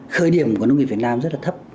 khởi điểm của nông nghiệp việt nam rất là thấp